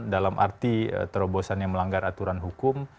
dalam arti terobosan yang melanggar aturan hukum